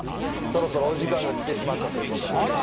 そろそろお時間が来てしまったということなんで。